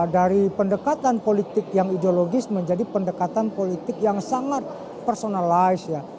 dari pendekatan politik yang ideologis menjadi pendekatan politik yang sangat personalize ya